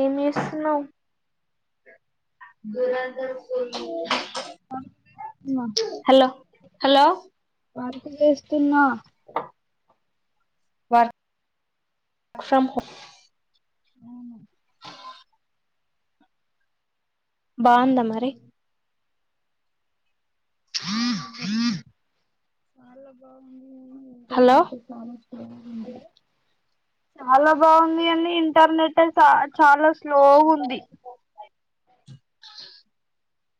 ఏం జేస్తున్నావ్ మా hello hello వంట జేస్తున్నా వాట్ ఫ్రమ్ హు ఊ బాందా మరీ [unintelligible] చాలా బాగుంది ఇంటర్నేట్ హలో కా చాలా బాగుంది అని, ఇంటర్నెటె చ చాలా. - స్లోగా ఉంది [unintelligible]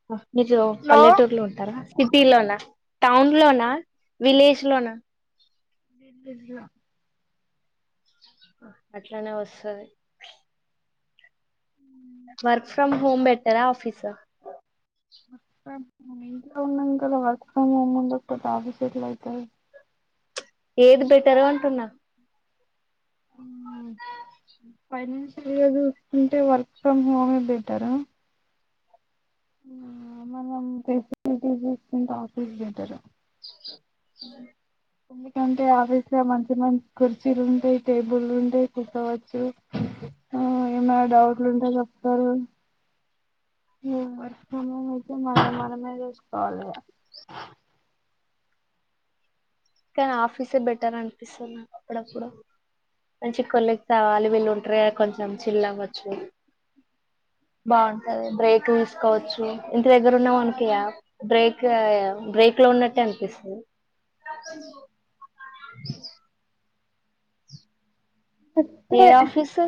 పొ మీరు హలో పల్లెటూర్లో ఉంటారా సిటీ లోనా, టౌన్ లోనా, విలేజ్ లోనా. విలేజ్ లో అ అట్లనే ఒస్తది వర్క్ ఫ్రమ్ హోమ్ బెటరా, ఆఫీస? ఇంట్లో ఉన్నాం కదా వర్క్ ఫ్రమ్ హోమ్ ముంద కొ ఆఫీస్ ఎట్లయితది ఏది బెటరు అంటున్న ఊ పైన లేదు అంటే వర్క్ ఫ్రమ్ హోమే బెటర ఊ మనం ఫెసిలిటీస్ జూసుకుంటే ఆఫీస్ బెటరు [unintelligible] ఎందుకంటే ఆఫీస్ లో మంచి మంచి కుర్చీలు ఉంటాయి టేబుల్ ఉంటాయి కూర్చోవచ్చు, ఆ ఏమైనా డౌట్లు ఉంటె జెప్తరు, ఈ వర్క్ ఫ్రం హోమ్ అయితే మనం మనమే జూసుకోవాలి ఇగ. కానీ ఆఫీసే బెటర్ అనిపిసుంది నాకు అప్పుడప్పుడు మంచి కొలిగ్ కావాలి వీళ్లు ఉంట్రగా కొంచెం చిల్ అవచ్చు బాగుంటది, బ్రేక్ తీసుకోవచ్చు, ఇంటి దగ్గర ఉన్న మనకో ఇగ బ్రేక్ బ్రేక్ లో ఉన్నట్టే అనిపిస్తది. [unintelligible] చెప్తే ఏ ఆఫీసు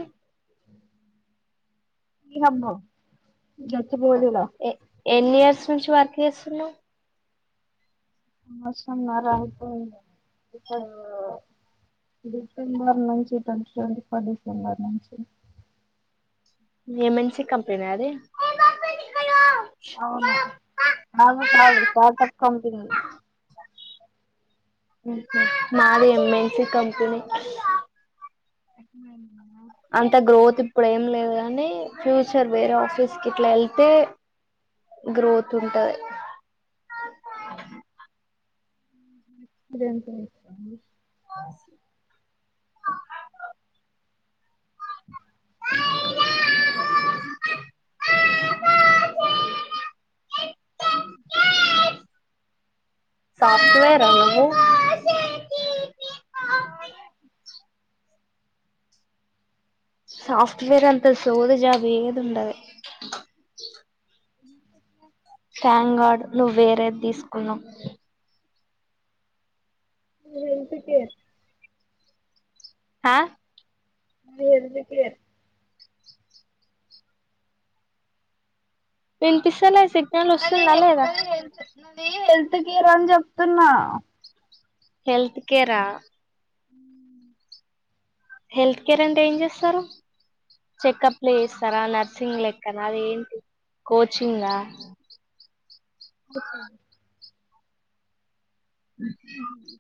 ఇ హబ్బో జచ్చిబొలిల ఎ ఎన్ని ఇయర్స్ నుంచి వర్క్ ఏస్తున్నవ్ ఉ అవస్రమార ఇపుడుంగ, డిసెంబర్ నుంచి, ట్వెంటీ ట్వెంటీ ఫోర్ డిసెంబర్ నుంచి. ఎంఎన్‌సీ కంపెన అది అవును, కాదు కాదు స్టార్టప్ కంపెనీ. నాది ఎంఎన్‌సీ కంపెనీ [unintelligible] అంత గ్రోత్ ఇప్పుడు ఏం లేదు కాని ఫ్యూచర్ వేరే ఆఫీస్ కి ఇట్లా వెళ్తే గ్రోత్ ఉంటది దేంట్లో [unintelligible] [inaudible] [inaudible] [unintelligible] సాఫ్ట్‌వేర్ ఆ నువ్వు సాఫ్ట్‌వేర్ అంతా సోది జాబ్ ఏదీ ఉండదు [inaudible] థ్యాంక్ గాడ్ నువ్వు వేరేది తీసుకున్నావ్. హెల్త్ కేర్ అ హెల్త్ కేర్ వినిపిస్తలేద్ [unintelligible] హెల్త్ కేర్ అని చెప్తున్నా హెల్త్ కేరా [inaudible] హెల్త్ కేర్ అంటే ఏం చేస్తారు చెకప్లు చేస్తారా నర్సింగ్ లెక్కనా అది ఏంటి కోచింగ్ ఆ [inaudible]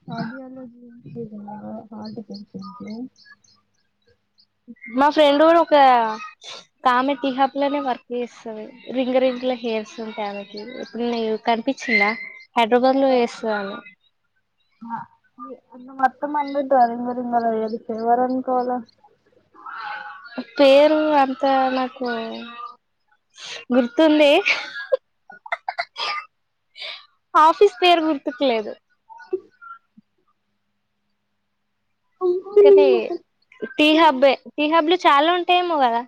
కార్డియాలజీ లేదా హార్ట్ టెన్షన్ కి [inaudible] మా ఫ్రెండ్ కూడా ఒక కామె టీ హబ్‌లోనే వర్క్ హెయర్స్ అవి రింగ రింగుల హెయిర్స్ ఉంటాయి ఆమెకి ఎప్పుడైనా కనిపించిందా హైదరాబాద్ లో చేస్తది ఆమె అ మొత్తం అంతా డ రింగారింగా హెయర్స్, ఎవరు అనుకోవాలా పేరు అంత నాకు గుర్తుంది ఆఫీస్ పేరు గుర్తుకు లేదు అడ టీహబ్బే టీహబ్బలు చాలా ఉంటాయేమో కదా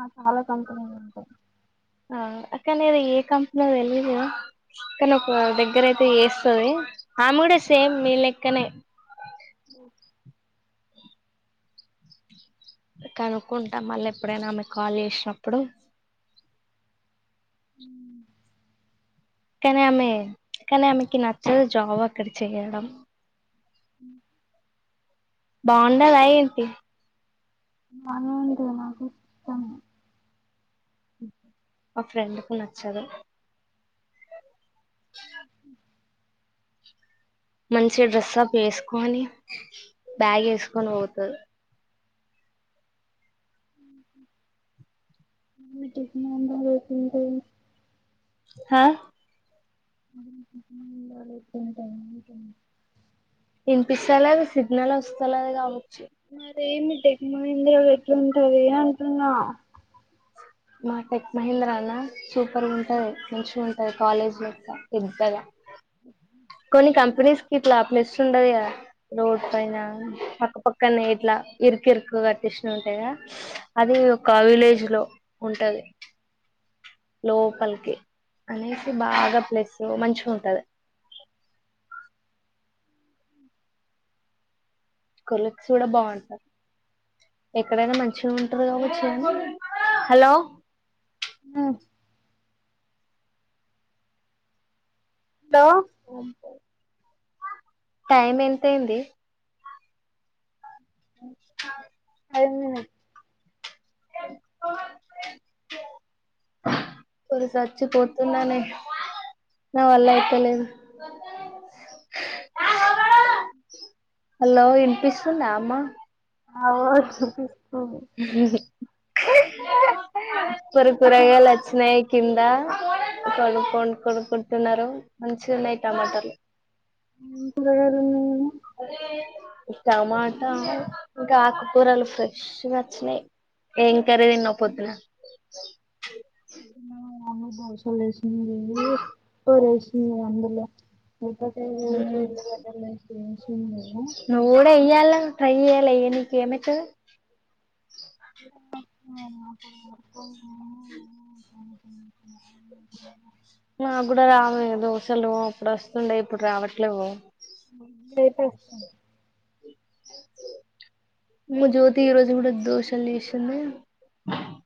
ఆ చాలా సొంతగా ఉంటాయి ఆ అక్కనే ఏ కంపెనీ తెలియదు కదా కానీ ఒక దగ్గర అయితే చేస్తది ఆమె కూడా సేమ్ మీ లెక్కనే ఓ కనుక్కుంటా మళ్ళీ ఎప్పుడైనా ఆమె కాల్ చేసినప్పుడు ఉ కానీ ఆమె కానీ ఆమెకి నచ్చదు జాబ్ అక్కడ చేయడం అ [inaudible] బాగుండదా ఏంటి బానే ఉంటది నాకు కానీ మా ఫ్రెండ్ కు నచ్చదు [inaudible] మంచి డ్రెస్ అప్ వేసుకొని బ్యాగ్ వేసుకొని పోతుంది [unintelligible] హా [inaudible] వినిపిస్తలేదు సిగ్నల్ వస్తలేదు కావచ్చు అదేమి టెక్ మహీంద్రా ఎట్లుంటది అంటున్నా మా టెక్ మహీంద్రా నా సూపర్‌గా ఉంటది మంచిగా ఉంట కాలేజ్ లో పెద్దగా కొన్ని కంపెనీస్ కి ఇట్లా అప్లిస్ ఉండది కదా రోడ్ పైన పక్కపక్కనే ఇట్లా ఇరుకు ఇరుకు కట్టిస్త ఉంటాయిద అది ఒక విలేజ్ లో ఉంటది లోపలికి అనేసి బాగా ప్లేస్ మంచిగా ఉంటది కొలీగ్స్ కూడా బాగుంటారు ఎక్కడైనా మంచిగా ఉంటారు కావుచేమో హలో ఆ హలో టైం ఎంత అయింది ఫైవ్ మినిట్స్ కొది సచ్చిపోతున్నానే నా వల్ల అయిత లేదు హలో వినిపిస్తుందా అమ్మ అవును ఆ కూర కూరగాయలు వచ్చినాయి కింద కొడుం కొడుకుంటున్నారు మంచిన్నాయి టమాటలు అ టమాటా ఇంకా ఆకుకూరలు ఫ్రెష్గా వచ్చినాయి ఏం కరీ తిన్నావ్ పొద్దున [unintelligible] బసలేేసిన వెళ్లి రేసి అందలే [unintelligible] ఎచ్ నువ్వు కూడా ఇయ్యాల ట్రై చేయాలా ఇగ నీకు ఏమైతది ఆ మ్మ్ హు నా కూడా రావే దోసలు అప్పుడు వస్తుండే ఇప్పుడు రావట్లేవు [unintelligible] లేటెస్తుంది మ్మ్ జ్యోతి ఈ రోజు కూడా దోషాలు చేసింది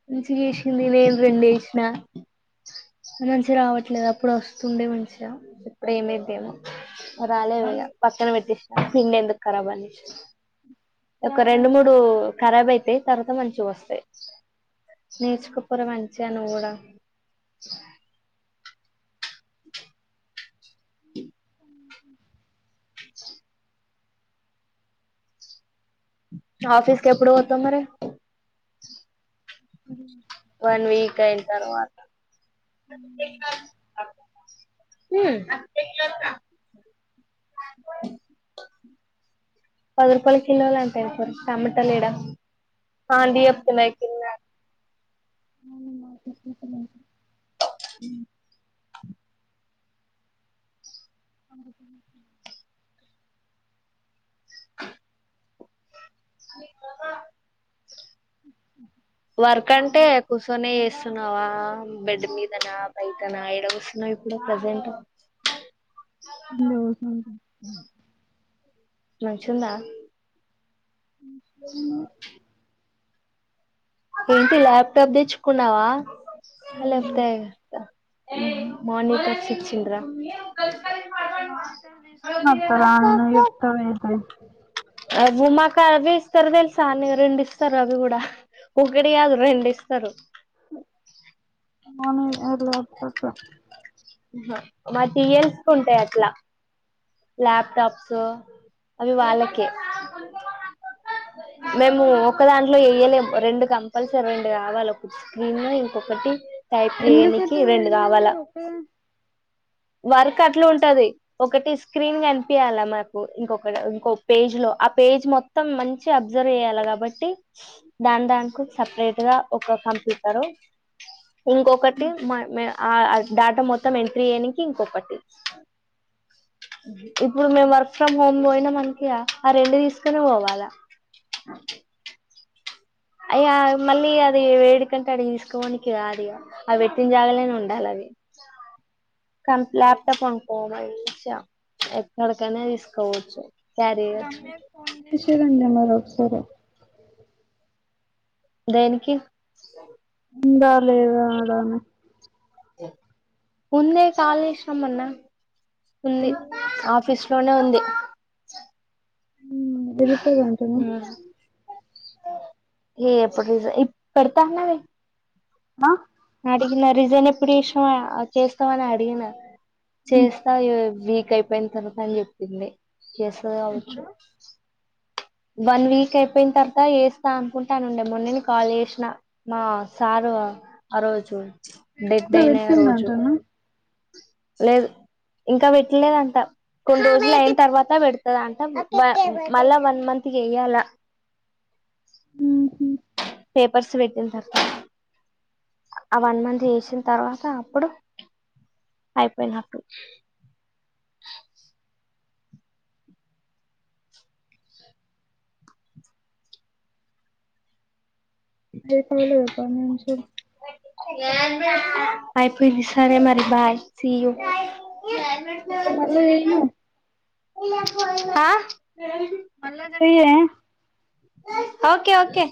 మంచిగా ఏసింది నేను రెండు ఏసిన మంచిగా రావట్లేదు అప్పుడు వస్తుండే మంచిగా ఇప్పుడు ఏమైందేమో రాలేవ్ ఇగా పక్కన పెట్టటిసిన పిండి ఎందుకు ఖరాబ్ అని ఒక రెండు మూడు ఖరాబ్ అయితాయి తర్వాత మంచిగా వస్తాయి నేర్చుకోపోరా మంచిగా నువ్వు కూడా ఆఫీస్ కి ఎప్పుడు పోతావ్ మరి వన్ వీక్ అయ్యి తరువాత [unintelligible] మ్మ్ పది రూపాయల్ కిలోలంట ఇప్పుడు టమాటాలీడ ఆంటీ చెప్తున్నాయి కింద హ్ [inaudible] వర్క్ అంటే కూసోని ఎస్సున్నావా బెడ్ మీదనా బయటనా ఎడ కూసున్నావ్ ఇప్పుడు ప్రజెంట్ కింద కూసుంట మంచ్గుందా ఏంటి ల్యాప్‌టాప్ తెచ్చుకున్నావా అలబ్ తాయి త ఉమ్ మానిటర్స్ ఇచ్చిండ్రా మానిటర్ తీస్కొని వత్తారా నువ్వు చెప్తావ్ అయితే అ ఉమాకా అవి ఇస్తారు తెలుసా అనికి రెండు ఇస్తారు అవి గూడా ఒకటి కాదు రెండు ఇస్తారు మార్నింగే [unintelligible] ఆహా మతి యల్సుకుంటేయి అట్లా ల్యాప్టాప్స్ అవి వాళ్ళకే మేము ఒకదాని ఇట్లో వేయలే రెండు కంపల్సరీ రెండు కావాలి స్క్రీన్ ఇంకొకటి టైప్ ఎ చేయనికి పెట్ట రెండు రెం మర ఒ ఒక వరక్ అట్లా ఉంటది ఒకటి స్క్రీన్ గా కనిపియాల మకు ఇంకొక ఇంకో పేజ్ లో ఆ పేజ్ మొత్తం మంచి అబ్జర్వ్ చేయ్యాలి కాబట్టి దాని దానికి సపరేట్ గా ఒక కంప్యూటరు ఇంకొకటి మ ఎంబట ఆ డేటా మొత్తం ఎంట్రీ చేయనికి ఇంకొకటి ఇప్పుడు మేము వర్క్ ఫ్రమ్ హోమ్ పోయినా మనకి ఆ రెండు తీసుకునే పోవాలా అయ మళ్ళీ అది వేడికంటే అది తీసుకోవనికి రాదు అవి పెట్టిన జాగాలేనే ఉండాలి అవి కం లాప్టాప్ అనుకోవమ ఎక్కడకనే తీసుకోపోవచ్చు రమ్య ఫోన్ చే [unintelligible] దేనికి బా అదేదో అదన్న ముందే కాళేశం అన్నా ఉంది ఆఫీస్ చోనే ఉంది ఇదిపోగాంటనా హప్పుడు ఇ పడతాన్నా రే ఆ అ రిజన్ ఎప్పుడు చేసినవ్. చేస్తావఅని అడిగిన. చేస్తా క్ అయిపోయిన తర్వాత అని చెప్పింది చేస్తది కావచ్చు ఇప్పుడు వన్ వీక్ అయిపోయిన తర్వాత వెస్తా అనుకుంటానుండే మొన్నను కాల్ చేసిన మా సారు ఆ రోజు డెడ్ ఇప్పున్న అయిన రోజు వెట్ందంటనా లేదు ఇంకా పెట్టలేదంట కొన్ని రోజులు అయిన తర్వాత పెడతదంట మళ్ళా వన్ మంత్కి వెయ్యాల పేపర్స్ పెట్టిన తర్వాత ఆ వన్ మంత్ చేసిన తర్వాత అప్పుడు అయిపోయిన అప్పుడు [unintelligible] అయిపోయినై సరే మరి బాయ్ సి యూ మళ్ళా చెయ్యి ఆ మల్ల జెయ్యే ఓకే ఓకే